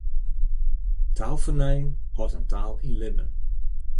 Taalfernijing hâldt in taal yn libben.